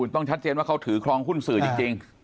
ต้องชัดเจนว่าเขาถือครองหุ้นสื่อจริง